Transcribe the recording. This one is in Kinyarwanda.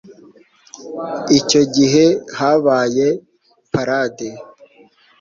Icyo gihe habaye parade.